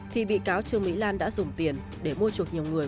thì bị cáo trương mỹ lan đã dùng tiền để mua chuộc nhiều người